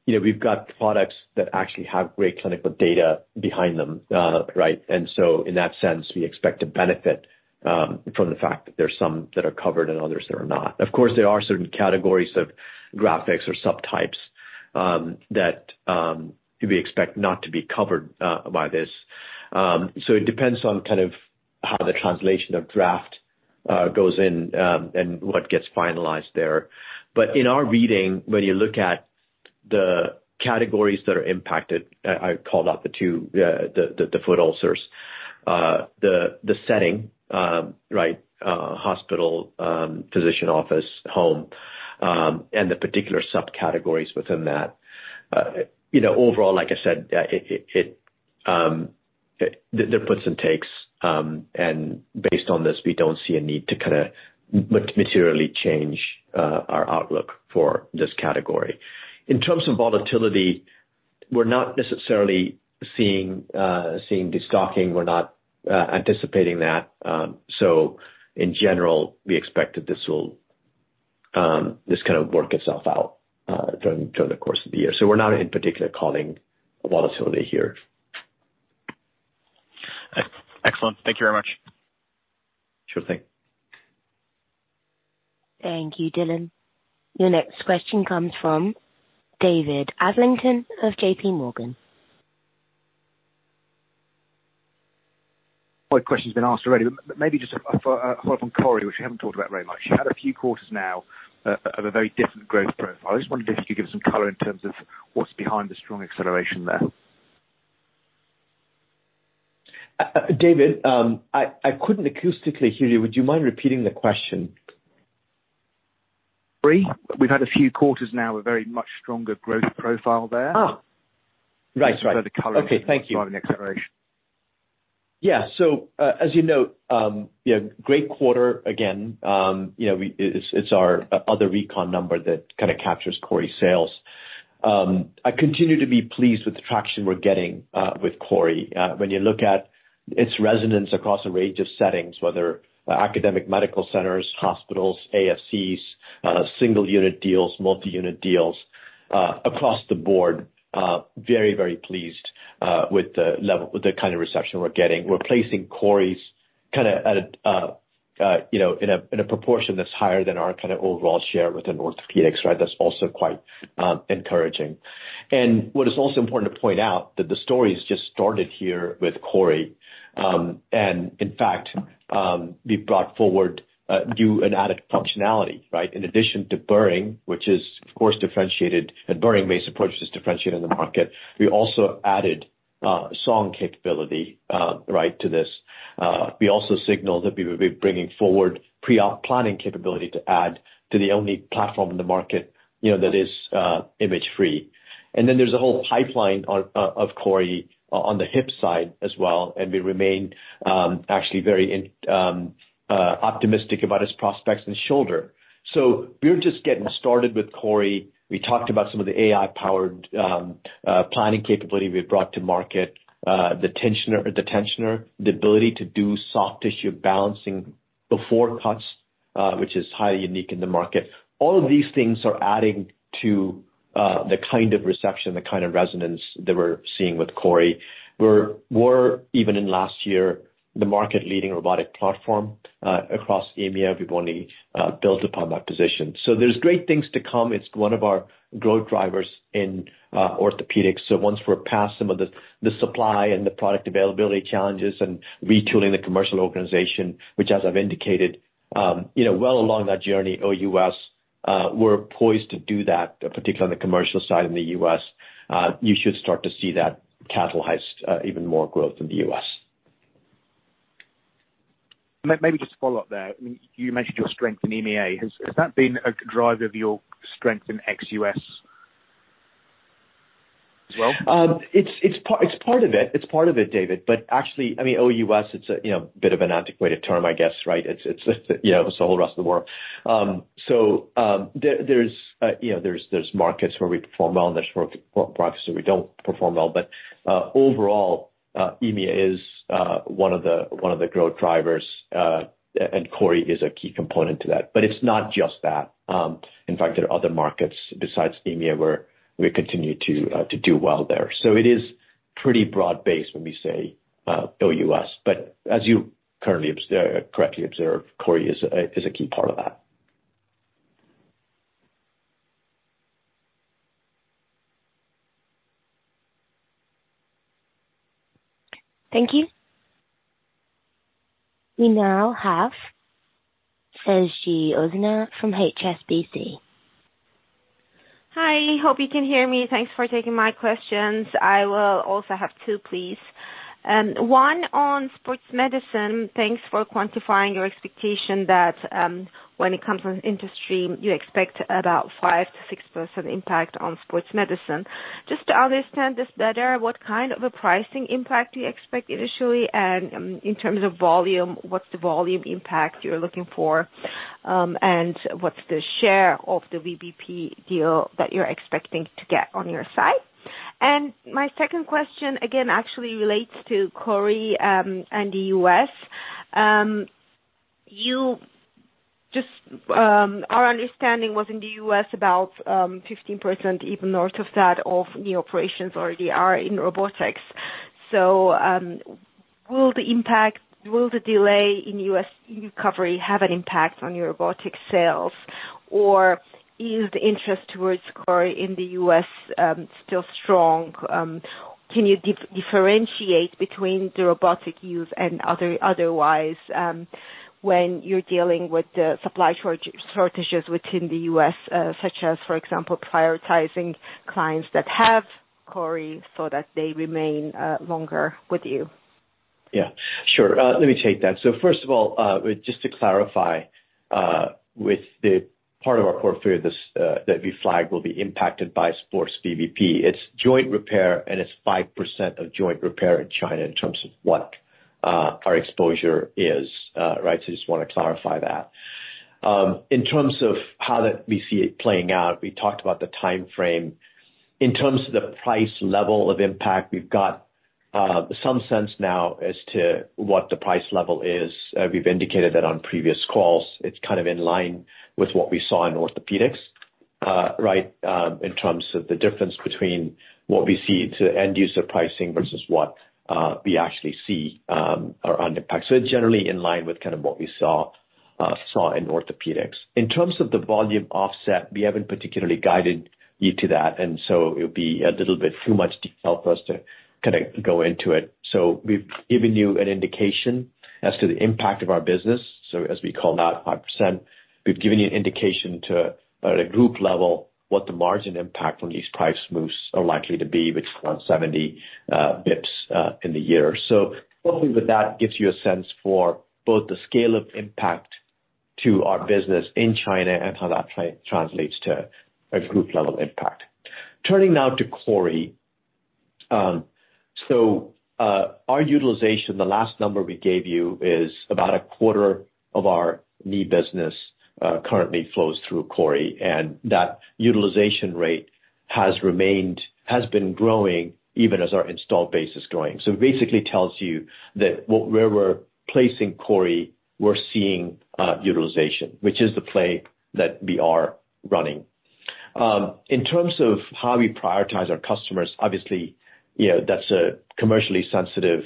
know, we've got products that actually have great clinical data behind them, right? And so in that sense, we expect to benefit from the fact that there are some that are covered and others that are not. Of course, there are certain categories of dressings or subtypes that we expect not to be covered by this. So it depends on kind of how the translation of draft-... Goes in, and what gets finalized there. But in our reading, when you look at the categories that are impacted, I called out the two, the foot ulcers, the setting, right, hospital, physician office, home, and the particular subcategories within that. You know, overall, like I said, there are puts and takes, and based on this, we don't see a need to kinda materially change our outlook for this category. In terms of volatility, we're not necessarily seeing destocking. We're not anticipating that. So in general, we expect that this will just kind of work itself out during the course of the year. So we're not in particular calling volatility here. Excellent. Thank you very much. Sure thing. Thank you, Dylan. Your next question comes from David Adlington of JPMorgan. My question's been asked already, but maybe just a follow-up on CORI, which you haven't talked about very much. You had a few quarters now of a very different growth profile. I just wondered if you could give us some color in terms of what's behind the strong acceleration there? David, I couldn't acoustically hear you. Would you mind repeating the question? CORI. We've had a few quarters now, a very much stronger growth profile there. Ah! Right, right. Just wonder the color. Okay, thank you. and driving the acceleration. Yeah. So, as you know, yeah, great quarter, again. You know, it's our other Recon number that kinda captures CORI sales. I continue to be pleased with the traction we're getting with CORI. When you look at its resonance across a range of settings, whether academic medical centers, hospitals, ASCs, single unit deals, multi-unit deals, across the board, very, very pleased with the kind of reception we're getting. We're placing CORI's kinda at a, you know, in a proportion that's higher than our kind of overall share within Orthopaedics, right? That's also quite encouraging. And what is also important to point out, that the story has just started here with CORI. And in fact, we brought forward new and added functionality, right? In addition to burring, which is, of course, differentiated, and burring-based approach is differentiated in the market. We also added sawing capability, right, to this. We also signaled that we would be bringing forward pre-op planning capability to add to the only platform in the market, you know, that is image-free. And then there's a whole pipeline on of CORI on the hip side as well, and we remain actually very optimistic about its prospects and shoulder. So we're just getting started with CORI. We talked about some of the AI-powered planning capability we've brought to market, the tensioner, the tensioner, the ability to do soft tissue balancing before cuts, which is highly unique in the market. All of these things are adding to the kind of reception, the kind of resonance that we're seeing with CORI. We were even last year the market-leading robotic platform across EMEA. We've only built upon that position. So there's great things to come. It's one of our growth drivers in Orthopaedics. So once we're past some of the supply and the product availability challenges and retooling the commercial organization, which as I've indicated, you know, well along that journey, O.U.S, we're poised to do that, particularly on the commercial side in the U.S. You should start to see that catalyze even more growth in the U.S. Maybe just a follow-up there. You mentioned your strength in EMEA. Has that been a driver of your strength in ex-U.S. as well? It's part of it, David. But actually, I mean, O.U.S, it's a you know bit of an antiquated term, I guess, right? It's you know, it's the whole rest of the world. So, there you know, there's markets where we perform well, and there's markets where we don't perform well. But overall, EMEA is one of the growth drivers, and CORI is a key component to that. But it's not just that. In fact, there are other markets besides EMEA, where we continue to do well there. So it is pretty broad-based when we say O.U.S, but as you correctly observed, CORI is a key part of that. Thank you. We now have Sezgi Oezener from HSBC. Hi. Hope you can hear me. Thanks for taking my questions. I will also have two, please. One on sports medicine. Thanks for quantifying your expectation that, when it comes to industry, you expect about 5%-6% impact on sports medicine. Just to understand this better, what kind of a pricing impact do you expect initially? And, in terms of volume, what's the volume impact you're looking for? And what's the share of the VBP deal that you're expecting to get on your side? And my second question, again, actually relates to CORI, and the U.S.. You just... our understanding was in the U.S. about 15%, even north of that, of new operations already are in robotics. So, will the delay in U.S. recovery have an impact on your robotic sales?... or is the interest towards CORI in the U.S. still strong? Can you differentiate between the robotic use and otherwise, when you're dealing with the supply shortages within the U.S., such as, for example, prioritizing clients that have CORI so that they remain longer with you? Yeah, sure. Let me take that. So first of all, just to clarify, with the part of our portfolio that we flagged will be impacted by Sports VBP, it's joint repair, and it's 5% of joint repair in China in terms of what our exposure is, right? So I just want to clarify that. In terms of how that we see it playing out, we talked about the time frame. In terms of the price level of impact, we've got some sense now as to what the price level is. We've indicated that on previous calls. It's kind of in line with what we saw in Orthopaedics, right, in terms of the difference between what we see to end user pricing versus what we actually see are under impact. So it's generally in line with kind of what we saw in Orthopaedics. In terms of the volume offset, we haven't particularly guided you to that, and so it would be a little bit too much to help us to kind of go into it. So we've given you an indication as to the impact of our business. So as we call out 5%, we've given you an indication to, at a group level, what the margin impact on these price moves are likely to be, which is around 70 basis points in the year. So hopefully with that gives you a sense for both the scale of impact to our business in China and how that translates to a group level impact. Turning now to CORI. So, our utilization, the last number we gave you, is about a quarter of our knee business, currently flows through CORI, and that utilization rate has been growing even as our installed base is growing. So it basically tells you that where we're placing CORI, we're seeing utilization, which is the play that we are running. In terms of how we prioritize our customers, obviously, you know, that's a commercially sensitive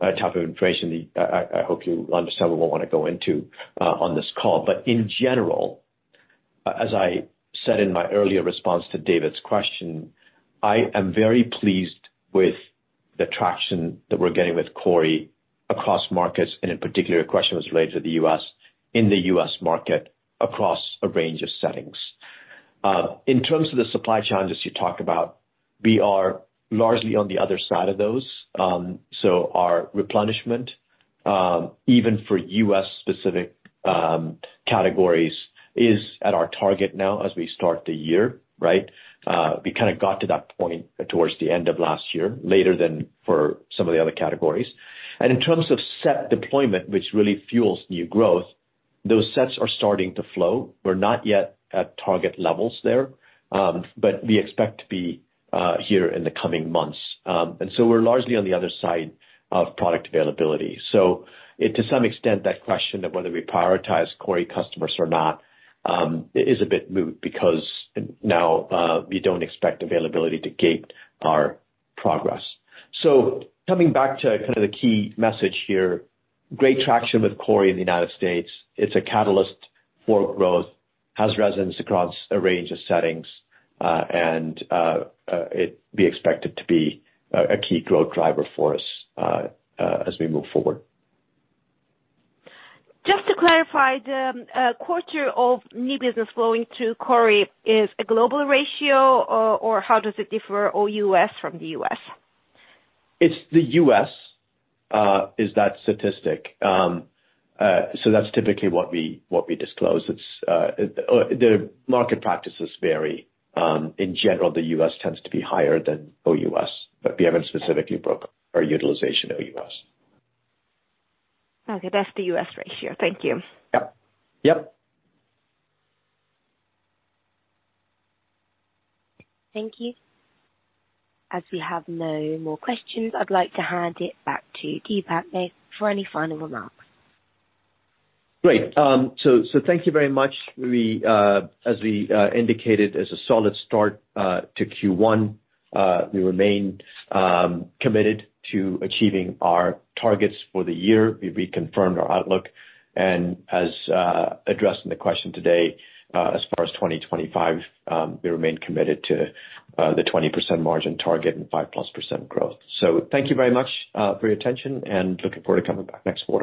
type of information. I hope you understand we won't want to go into on this call. But in general, as I said in my earlier response to David's question, I am very pleased with the traction that we're getting with CORI across markets, and in particular, your question was related to the U.S., in the U.S. market, across a range of settings. In terms of the supply challenges you talked about, we are largely on the other side of those. So our replenishment, even for U.S.-specific categories, is at our target now as we start the year, right? We kind of got to that point towards the end of last year, later than for some of the other categories. In terms of set deployment, which really fuels new growth, those sets are starting to flow. We're not yet at target levels there, but we expect to be here in the coming months. So we're largely on the other side of product availability. To some extent, that question of whether we prioritize CORI customers or not is a bit moot, because now we don't expect availability to gate our progress. So coming back to kind of the key message here, great traction with CORI in the United States. It's a catalyst for growth, has resonance across a range of settings, and we expect it to be a key growth driver for us, as we move forward. Just to clarify, the quarter of new business flowing to CORI is a global ratio, or how does it differ O.U.S from the U.S.? It's the U.S., is that statistic. So that's typically what we, what we disclose. It's... The market practices vary. In general, the U.S. tends to be higher than O.U.S, but we haven't specifically broken our utilization O.U.S. Okay. That's the U.S. ratio. Thank you. Yep. Yep. Thank you. As we have no more questions, I'd like to hand it back to you, Deepak, now, for any final remarks. Great. So thank you very much. We, as we indicated, it's a solid start to Q1. We remain committed to achieving our targets for the year. We reconfirmed our outlook, and as addressing the question today, as far as 2025, we remain committed to the 20% margin target and 5%+ growth. So thank you very much for your attention and looking forward to coming back next quarter.